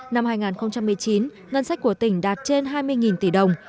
năm hai nghìn một mươi chín ngân sách của tỉnh đạt trên hai mươi tỷ đồng